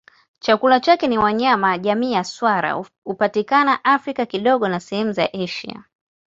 Chakula chake ni wanyama jamii ya swala hupatikana Afrika na kidogo sehemu za Asia.